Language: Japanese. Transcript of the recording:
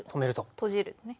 閉じるね。